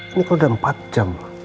ini kalau udah empat jam